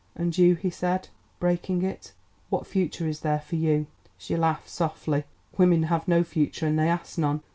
"And you," he said, breaking it, "what future is there for you?" She laughed softly. "Women have no future and they ask none.